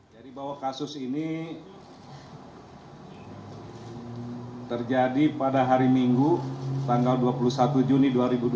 jadi bahwa kasus ini terjadi pada hari minggu tanggal dua puluh satu juni dua ribu dua puluh